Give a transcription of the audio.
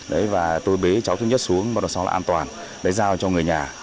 đấy và tôi bế cháu thứ nhất xuống một lần sau là an toàn để giao cho người nhà